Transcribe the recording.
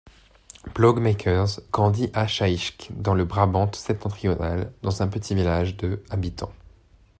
Ploegmakers grandit à Schaijk, dans le Brabant-Septentrional, dans un petit village de habitants.